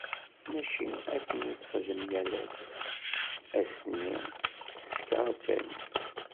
Mačči akken i texdem yal ass, ass-nni teskeṛ kan.